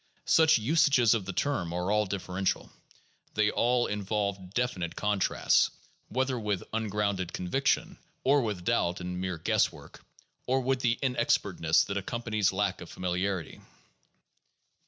Such usages of the term are all differential ; they all in volve definite contrasts — whether with ungrounded conviction, or with doubt and mere guesswork, or with the inexpertness that accom panies lack of familiarity.